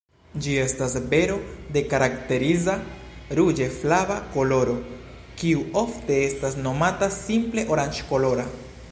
Ĝi estas bero de karakteriza ruĝe-flava koloro, kiu ofte estas nomata simple oranĝkolora.